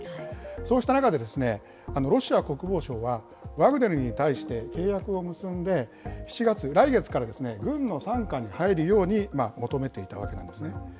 そうした中で、ロシア国防省は、ワグネルに対して、契約を結んで、７月、来月から、軍の傘下に入るように求めていたわけなんですね。